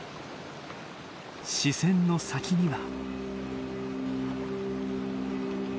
視線の先には。